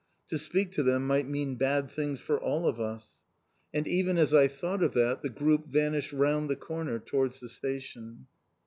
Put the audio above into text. To speak to them might mean bad things for all of us. And even as I thought of that, the group vanished round the corner, towards the station.